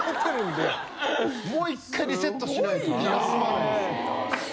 もう１回リセットしないと気が済まないんです。